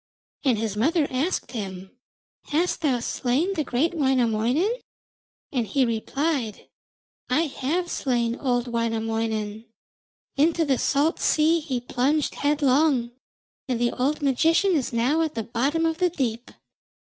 And his mother asked him, 'Hast thou slain great Wainamoinen?' and he replied, 'I have slain old Wainamoinen. Into the salt sea he plunged headlong, and the old magician is now at the bottom of the deep.'